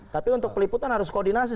tapi untuk peliputan harus koordinasi